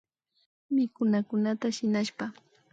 Mikunakunata shinashpa